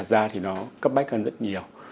thực ra thì nó cấp bách hơn rất nhiều